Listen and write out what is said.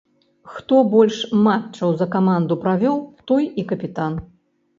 Хто больш матчаў за каманду правёў, той і капітан.